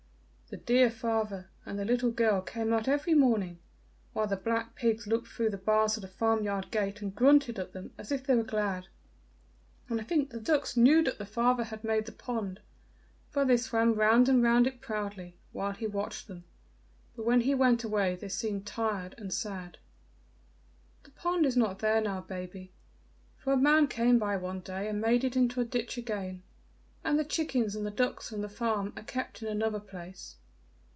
The dear father and the little girl came out every morning, while the black pigs looked through the bars of the farm yard gate and grunted at them, as if they were glad, and I think the ducks knew that the father had made the pond, for they swam round and round it proudly while he watched them, but when he went away they seemed tired and sad. "The pond is not there now, baby, for a man came by one day and made it into a ditch again; and the chickens and the ducks from the farm are kept in another place.